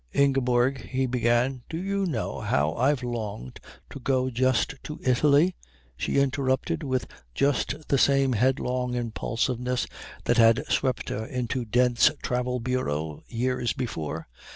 "Ingeborg " he began. "Do you know how I've longed to go just to Italy?" she interrupted with just the same headlong impulsiveness that had swept her into Dent's Travel Bureau years before.